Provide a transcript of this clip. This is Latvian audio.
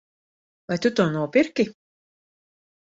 Vai tu to nopirki?